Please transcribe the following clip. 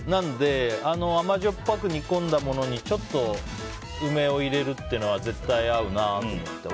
甘じょっぱく煮込んだものにちょっと梅を入れるのは絶対合うなと思って。